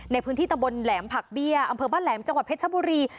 ในพื้นที่ตะบนแหลมผักเบี้ยอำเภอบ้านแหลมจังหวัดเพชรชบุรี